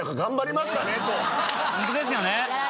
ホントですよね。